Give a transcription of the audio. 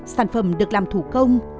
sản phẩm được làm thủ công